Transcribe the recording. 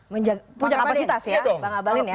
menjaga kapasitas ya bang abadin ya